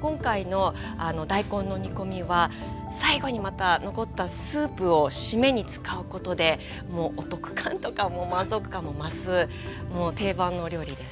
今回の大根の煮込みは最後にまた残ったスープを締めに使うことでお得感とかも満足感も増すもう定番のお料理です。